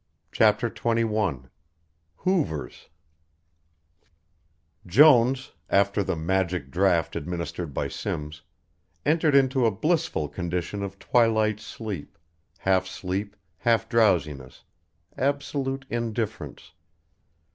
CHAPTER XXI HOOVER'S Jones, after the magic draught administered by Simms, entered into a blissful condition of twilight sleep, half sleep, half drowsiness, absolute indifference.